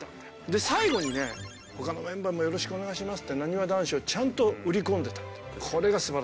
で最後にね他のメンバーもよろしくお願いしますってなにわ男子をちゃんと売り込んでた。